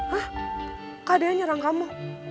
hah kak dehan nyerang kamu